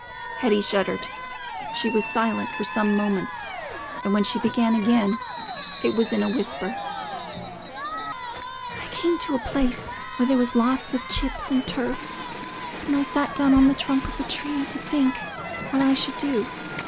Hetty shuddered. She was silent for some moments, and when she began again, it was in a whisper. "I came to a place where there was lots of chips and turf, and I sat down on the trunk of a tree to think what I should do.